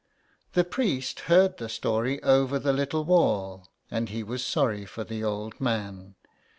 The priest heard the story over the little wall, and he was sorry for the old man.